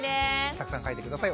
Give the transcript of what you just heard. たくさん書いて下さい。